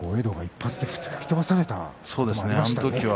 道が１発で吹き飛ばされた時もありましたね。